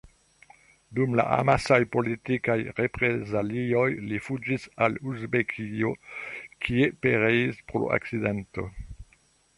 Dum la amasaj politikaj reprezalioj li fuĝis al Uzbekio, kie pereis pro akcidento.